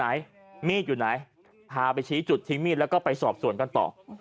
มีดอยู่ไหนพาไปชี้จุดทิ้งมีดแล้วก็ไปสอบสวนกันต่อ